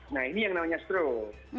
nah ini yang namanya stroke